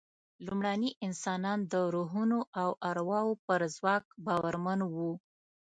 لومړني انسانان د روحونو او ارواوو پر ځواک باورمن وو.